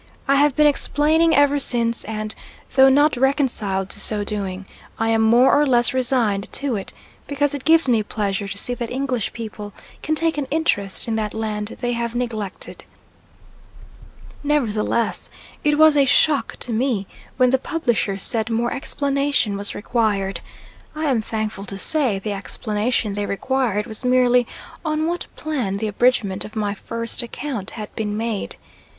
I have been explaining ever since; and, though not reconciled to so doing, I am more or less resigned to it, because it gives me pleasure to see that English people can take an interest in that land they have neglected. Nevertheless, it was a shock to me when the publishers said more explanation was required. I am thankful to say the explanation they required was merely on what plan the abridgment of my first account had been made.